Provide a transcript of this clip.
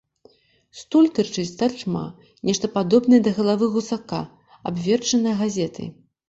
Стуль тырчыць старчма нешта падобнае да галавы гусака, абверчанае газетай.